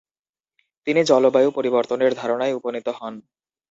তিনি জলবায়ু পরিবর্তনের ধারণায় উপনীত হন।